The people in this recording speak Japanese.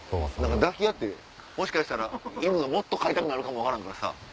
抱き合ってもしかしたら犬がもっと飼いたくなるかも分からんからさ。